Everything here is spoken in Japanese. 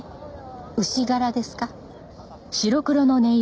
牛柄ですか？